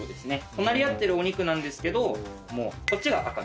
隣り合ってるお肉なんですけどこっちが赤身。